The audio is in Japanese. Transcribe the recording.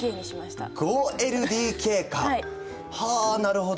５ＬＤＫか！はなるほど！